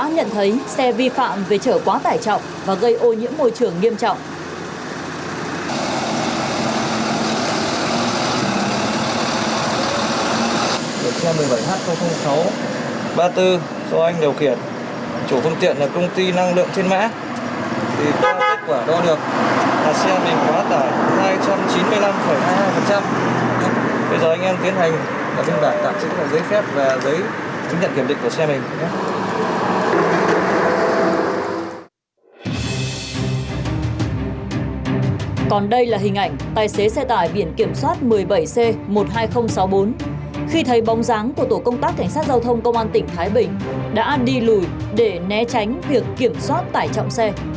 nhận thấy xe vi phạm về chở quá tải trọng và gây ô nhiễm môi trường nghiêm trọng